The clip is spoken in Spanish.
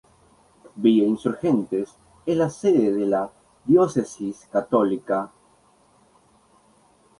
Villa Insurgentes es la sede de la diócesis católica.